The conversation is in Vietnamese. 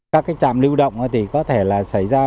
các trạm lưu động có thể xảy ra